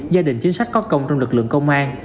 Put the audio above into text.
gia đình chính sách có công trong lực lượng công an